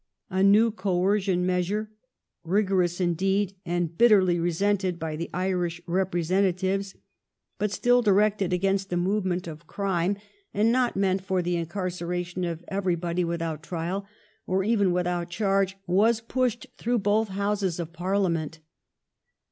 A new coercion measure, rigorous indeed and bit terly resented by the Irish representatives, but still directed against a movement of crime and not meant for the incarceration of everybody without trial, or even without charge, was pushed through both Houses of Parliament.